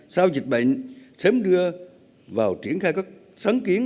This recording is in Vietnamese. sau dịch bệnh sớm đưa vào triển khai các sáng kiến